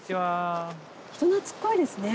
人懐っこいですね